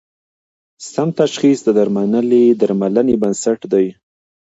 سم تشخیص د درملنې بنسټ دی.